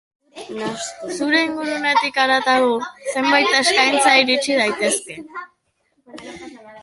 Zure ingurunetik haratago, zenbait eskaintza iritsi daitezke.